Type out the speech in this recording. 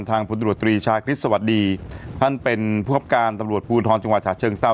พลตรวจตรีชาคริสต์สวัสดีท่านเป็นผู้คับการตำรวจภูทรจังหวัดฉะเชิงเซา